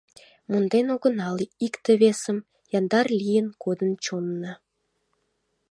Монден огынал икте-весым, Яндар лийын кодын чонна.